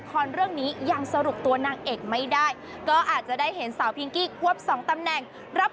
ก็เล่นเองมาสักหน่อยถ้าเกิดว่าไม่มีใครดีเท่า